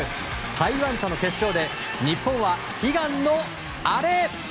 台湾との決勝で日本は悲願のアレ！